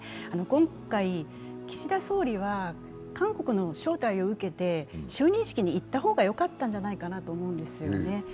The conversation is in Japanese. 今回、岸田総理は韓国の招待を受けて就任式に行った方がよかったんじゃないかなと思うんですね。